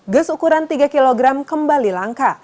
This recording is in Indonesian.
gas ukuran tiga kg kembali langka